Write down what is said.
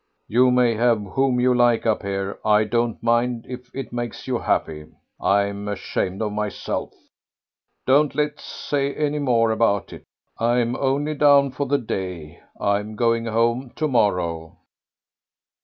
"You may have whom you like up here; I don't mind if it makes you happy. I'm ashamed of myself. Don't let's say any more about it. I'm only down for the day. I'm going home to morrow."